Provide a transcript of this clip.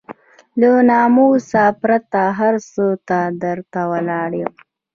له ناموسه پرته هر څه ته درته ولاړ يم.